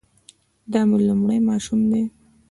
دا مو لومړی ماشوم دی؟